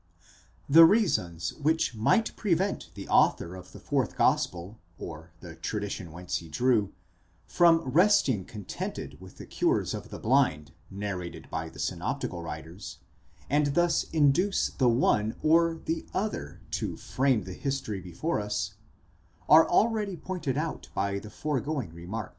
*! The reasons which might prevent the author of the fourth gospel, or the tradition whence he drew, from resting contented with the cures of the blind narrated by the synoptical writers, and thus induce the one or the other to frame the history before us, are already pointed out by the foregoing remarks.